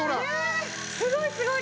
すごいすごい。